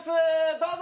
どうぞ！